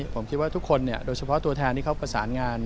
ผมคิดว่าทุกคนโดยเฉพาะตัวแทนที่เขาประสานงาน